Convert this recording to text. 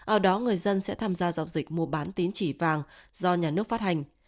ở đó người dân sẽ tham gia giao dịch mua bán tín chỉ vàng do nhà nước phát hành